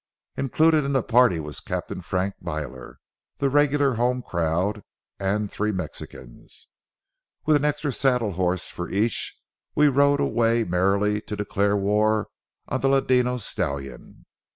Included in the party was Captain Frank Byler, the regular home crowd, and three Mexicans. With an extra saddle horse for each, we rode away merrily to declare war on the ladino stallion.